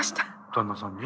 旦那さんに？